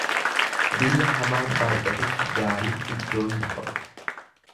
Biyya hamaan baay'atetti gaariin iddoo hin qabu.